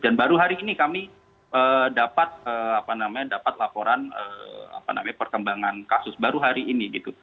dan baru hari ini kami dapat apa namanya dapat laporan apa namanya perkembangan kasus baru hari ini gitu